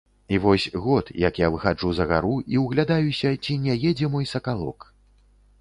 І вось год, як выхаджу за гару і ўглядаюся, ці не едзе мой сакалок.